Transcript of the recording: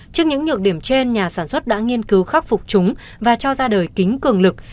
trước những nhược điểm trên nhà sản xuất đã nghiên cứu khắc phục chúng và cho ra đời kính cường lực